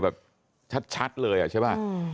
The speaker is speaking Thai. แบบชัดเลยอ่ะใช่ป่ะ